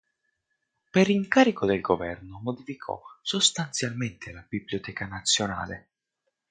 Per incarico del governo modificò sostanzialmente la Biblioteca Nazionale.